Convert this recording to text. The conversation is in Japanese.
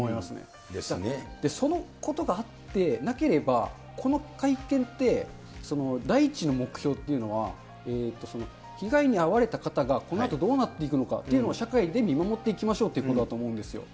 そのことがあってなければ、この会見って、第一の目標っていうのは、被害に遭われた方がこのあとどうなっていくのかというのを社会で見守っていきましょうということだと思うんですよ。